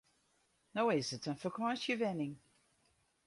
No is it in fakânsjewenning.